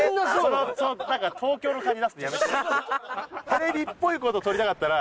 その東京の感じ出すのやめて。